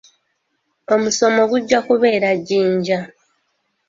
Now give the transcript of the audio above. Omusomo gujja kubeera Jinja.